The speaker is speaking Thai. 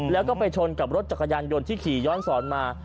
แล้วก็ไปชนกับรถจักรยานยนต์ที่ขี่ย้อนสอนมา